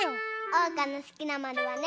おうかのすきなまるはね。